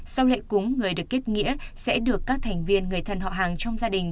sau lễ cúng người được kết nghĩa sẽ được các thành viên người thân họ hàng trong gia đình